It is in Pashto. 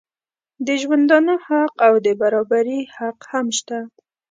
د ژوندانه حق او د برابري حق هم شته.